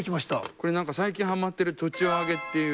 これ何か最近はまってる栃尾揚げっていう。